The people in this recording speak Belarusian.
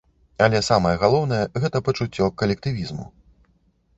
Але самае галоўнае, гэта пачуццё калектывізму.